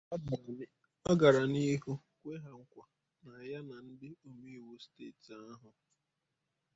ọ gara n'ihu kwe ha nkwa na ya na ndị omeiwu steeti ahụ